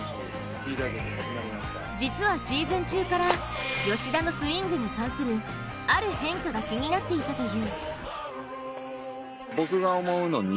実はシーズン中から吉田のスイングに関するある変化が気になっていたという。